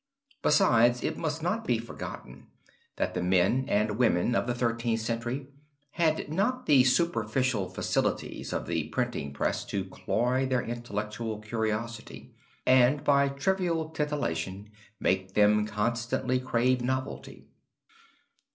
Besides, it must not be forgotten that the men and women of the Thirteenth Century had not the superficial facilities of the printing press to cloy their intellectual curiosity, and by trivial titillation make them constantly crave novelty.